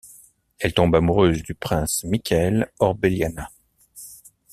Elle tombe amoureuse du prince Michael Orbeliana.